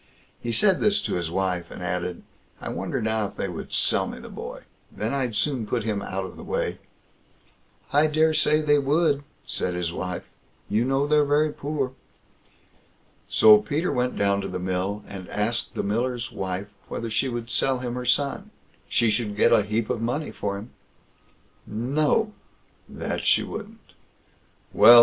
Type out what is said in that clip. He said this to his wife, and added: "I wonder now if they would sell me the boy; then I'd soon put him out of the way?" "I daresay they would", said his wife; "you know they're very poor." So Peter went down to the mill, and asked the miller's wife whether she would sell him her son; she should get a heap of money for him? "No!" that she wouldn't. "Well!"